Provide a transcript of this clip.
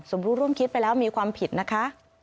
รู้ร่วมคิดไปแล้วมีความผิดนะคะ